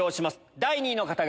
第２位の方が。